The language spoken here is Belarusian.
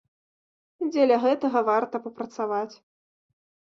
Дзеля гэтага варта папрацаваць!